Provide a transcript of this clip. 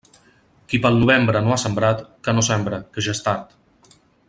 Qui pel novembre no ha sembrat, que no sembre, que ja és tard.